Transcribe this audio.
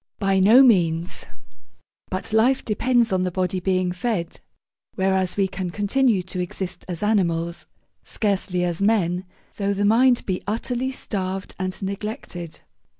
By no means: but life depends on the body being fed, whereas we can continue to exist as animals (scarcely as men) though the mind be utterly starved and neglected.